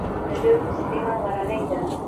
د جرم سیمه غرنۍ ده